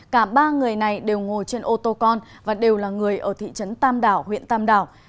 cả ba người này đều ngồi trên ô tô con và đều là người ở thị trấn tam đảo huyện tam đảo